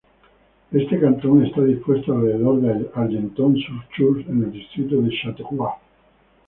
Este cantón está dispuesto alrededor de Argenton-sur-Creuse en el distrito de Châteauroux.